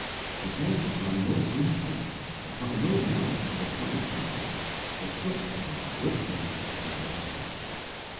It hangs upon no human patron, upon no endowment or funded property, but solely upon the good pleasure of the blessed God."